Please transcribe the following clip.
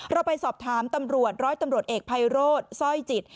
เราไปสอบถามตำรวจร้อยตำรวจเอกภัยโรธสร้อยจิต